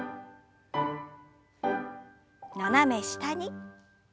斜め下に。